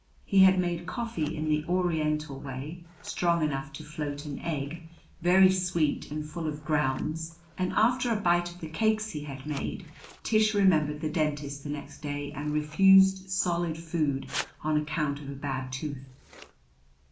He had made coffee in the Oriental way strong enough to float an egg, very sweet and full of grounds; and after a bite of the cakes he had made, Tish remembered the dentist the next day and refused solid food on account of a bad tooth.